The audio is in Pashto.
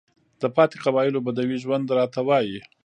د پاتې قبايلو بدوى ژوند راته وايي،